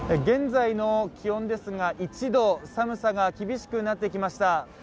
現在の気温ですが、１度、寒さが厳しくなってきました。